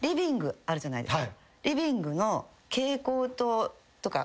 あるじゃないですか。